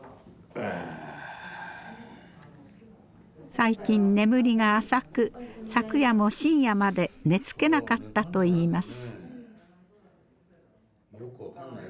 最近眠りが浅く昨夜も深夜まで寝つけなかったといいます。